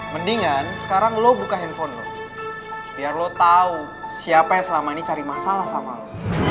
mendingan sekarang lo buka handphone lo biar lo tau siapa yang selama ini cari masalah sama lo